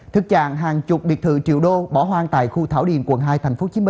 thực trạng hàng chục biệt thự triệu đô bỏ hoang tại khu thảo điền quận hai tp hcm